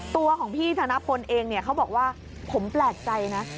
ตัวของพี่ธนพลเองเนี่ยเขาบอกว่าผมแปลกใจนะ